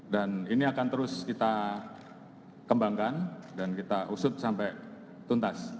dan ini akan terus kita kembangkan dan kita usut sampai tuntas